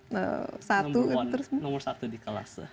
nomor satu di kelas